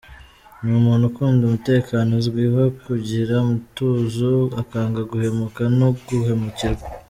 Ni umuntu ukunda umutekano, azwiho kugira umutuzo, akanga guhemuka no guhemukirwa.